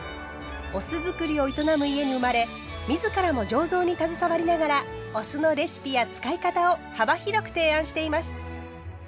お酢造りを営む家に生まれ自らも醸造に携わりながらお酢のレシピや使い方を幅広く提案しています。